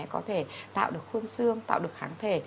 có thể tạo được khuôn xương tạo được kháng thể